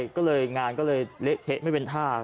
ก็เลยงานก็เลยเละเทะไม่เป็นท่า